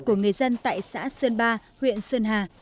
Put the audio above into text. của người dân tại xã sơn ba huyện sơn hà